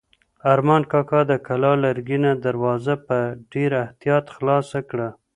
ارمان کاکا د کلا لرګینه دروازه په ډېر احتیاط خلاصه کړه.